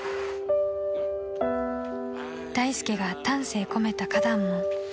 ［大助が丹精込めた花壇も］